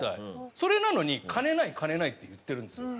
それなのに「金ない金ない」って言ってるんですよ。